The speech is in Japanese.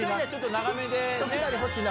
長めでね。